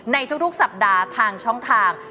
ในทุกสัปดาห์ทางช่องทาง